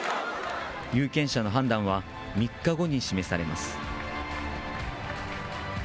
有権者の判断は３日後に示されます。